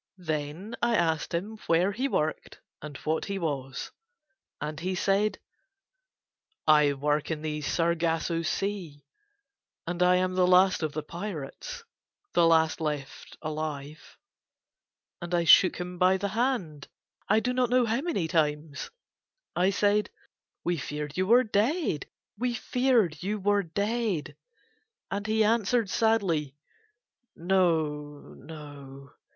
Then I asked him where he worked and what he was. And he said: "I work in the Sargasso Sea, and I am the last of the pirates, the last left alive." And I shook him by the hand I do not know how many times. I said: "We feared you were dead. We feared you were dead." And he answered sadly: "No. No.